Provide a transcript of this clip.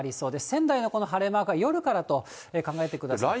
仙台のこの晴れマークは、夜からと考えてください。